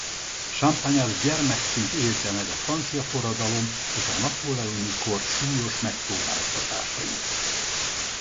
Champagnat gyermekként élte meg a francia forradalom és a napóleoni kor súlyos megpróbáltatásait.